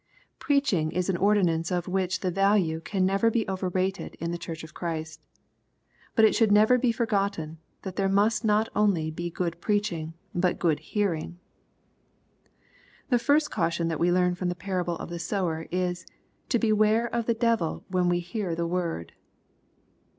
Preaching is an ordinance of which the value can never be overrated in the Church of Christ. But it should never be forgotten, that there must not only be good preaching, but good hearing. The first caution that we learn from the parable of the sower, is to beware of the devil when we hear the word.